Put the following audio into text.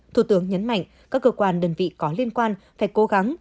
thủ tướng nhấn mạnh các cơ quan đơn vị có liên quan phải cố gắng